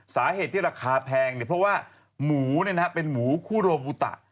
สาเหตุที่ราคาแพงของมูคุโรปุตะ